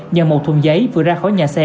nhờ một thùng giấy vừa ra khỏi nhà xe